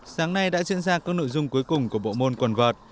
sáng nay đã diễn ra các nội dung cuối cùng của bộ môn quần vợt